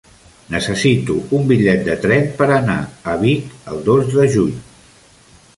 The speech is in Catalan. Necessito un bitllet de tren per anar a Vic el dos de juny.